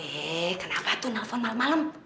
eh kenapa tuh nelfon malem malem